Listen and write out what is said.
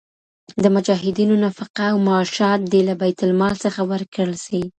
د مجاهدينو نفقه او معاشات دي له بیت المال څخه ورکړل سي.